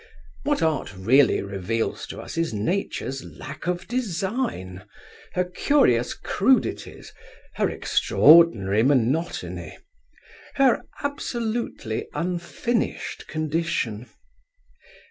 What Art really reveals to us is Nature's lack of design, her curious crudities, her extraordinary monotony, her absolutely unfinished condition.